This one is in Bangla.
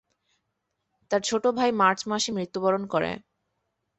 তার ছোট ভাই মার্চ মাসে মৃত্যুবরণ করে।